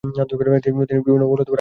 তিনি বিভিন্ন মৌল আবিষ্কার করেন।